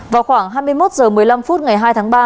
vào khoảng hai mươi một h một mươi năm phút ngày hai tháng ba